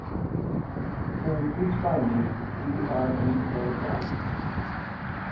Can you please find me D.R.E.A.M.?